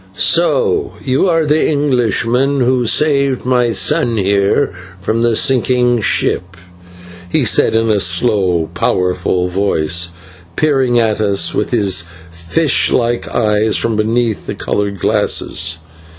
"So you are the Englishman who saved my son here from the sinking ship," he said in a slow, powerful voice, peering at us with his fish like eyes from beneath the coloured glasses.